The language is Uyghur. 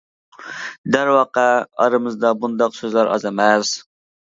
دەرۋەقە ئارىمىزدا بۇنداق سۆزلەر ئاز ئەمەس.